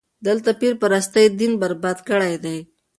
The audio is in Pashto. دلته پير پرستي دين برباد کړی دی.